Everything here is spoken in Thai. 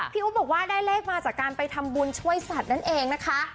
อุ๊บบอกว่าได้เลขมาจากการไปทำบุญช่วยสัตว์นั่นเองนะคะ